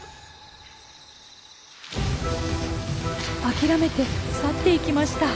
諦めて去っていきました。